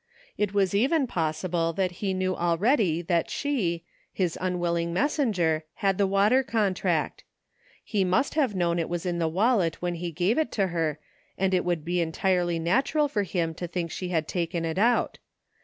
It was even possible that he knew already that she, his unwilling messenger, had the water contract. He must have known it was in the wallet when he gave it to her and it would be entirely natural for him to think she had taken it out.